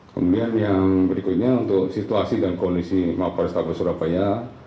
kemudian yang berikutnya untuk situasi dan kondisi mapol restabes surabaya